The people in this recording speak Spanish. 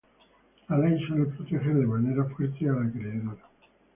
La ley suele proteger de manera fuerte al acreedor.